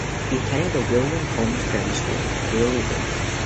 He attended the William Hulme's Grammar School in Whalley Range.